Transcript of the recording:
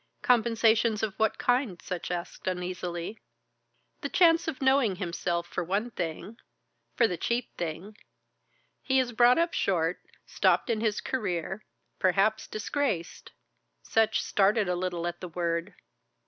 "Compensations of what kind?" Sutch asked uneasily. "The chance of knowing himself for one thing, for the chief thing. He is brought up short, stopped in his career, perhaps disgraced." Sutch started a little at the word.